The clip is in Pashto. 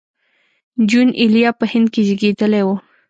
جون ایلیا په هند کې زېږېدلی و